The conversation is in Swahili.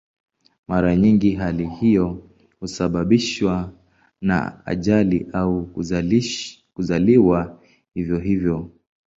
Mara nyingi hali hiyo husababishwa na ajali au kuzaliwa hivyo hivyo.